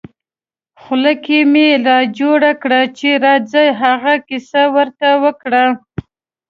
خوله کې مې را جوړه کړه چې راځه هغه کیسه ور ته وکړه.